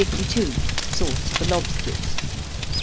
_Sauce for Lobsters.